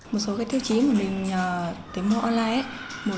một số cái thiêu chí mình nhờ tới mua online là một là chất lượng